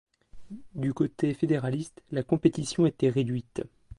Du côté fédéraliste, la compétition était réduite.